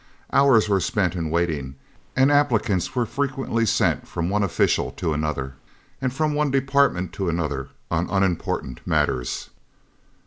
Hours were spent in waiting, and applicants were frequently sent from one official to another, and from one department to another, on unimportant matters.